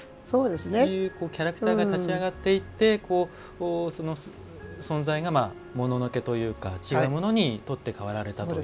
キャラクターが立ち上がっていって存在が、もののけというか違うものに取って代わられたと。